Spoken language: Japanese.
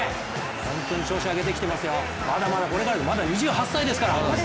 本当に調子上げてきてますよ、まだまだこれからですまだ２８歳ですから！